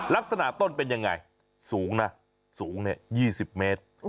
ลักษณะต้นเป็นอย่างไรสูงนะสูงเนี่ย๒๐เมตร